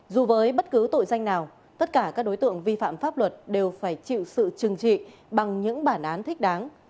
dù với bất cứ tội danh nào tất cả các đối tượng vi phạm pháp luật đều phải chịu sự trừng trị bằng những bản án thích đáng